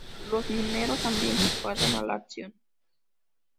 Los mineros, hambrientos, pasan a la acción.